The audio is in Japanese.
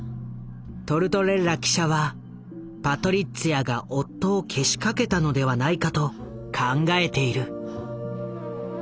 トルトレッラ記者はパトリッツィアが夫をけしかけたのではないかと考えている。